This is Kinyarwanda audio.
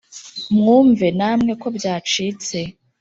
mwumve namwe ko byacitse